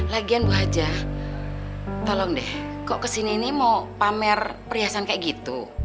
lagian bu hajah tolong deh kok kesini ini mau pamer perhiasan kayak gitu